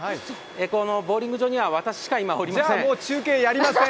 このボウリング場には私しか今、おりません。